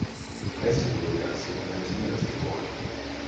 Wessling wurde als Sohn eines Müllers geboren.